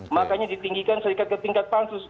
makanya ditinggikan serikat ke tingkat pansus